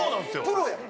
プロやん。